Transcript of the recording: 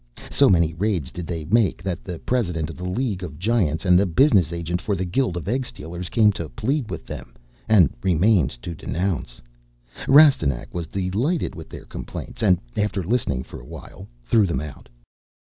So many raids did they make that the president of the League of Giants and the Business Agent for the Guild of Egg stealers came to plead with them. And remained to denounce. Rastignac was delighted with their complaints, and, after listening for a while, threw them out.